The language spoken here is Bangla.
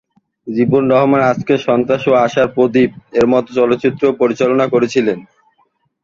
জীবন রহমান "আজকের সন্ত্রাসী" ও "আশার প্রদীপ" এর মত চলচ্চিত্রও পরিচালনা করেছিলেন।